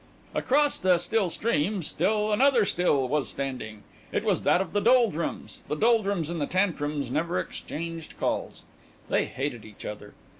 Across the still stream, still another still was standing. It was that of the Doldrums. The Doldrums and the Tantrums never exchanged calls. They hated each other.